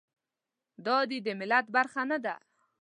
دای د ملت برخه نه ده.